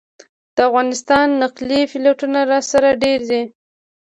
د افغانستان نقلي پلېټونه راسره ډېر دي.